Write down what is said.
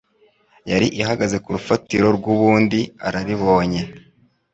yari ihagaze ku rufatiro rw'ubundiararibonye.